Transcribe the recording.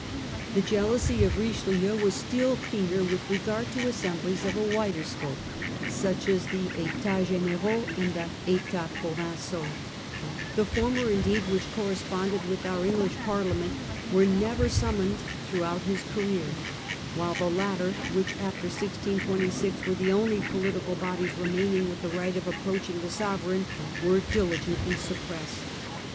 The jealousy of Richelieu was still keener with regard to assemblies of a wider scope, such as the tltats Gdnlraux Etats Cfni. and the A tats Provinciaux . The former in r provin^ d deed, which corresponded with our English ciaux. Parliament, were never summoned through out his career ; while the latter, which after 1626 were the only political bodies remaining with the right of approaching the sovereign, were diligently suppressed.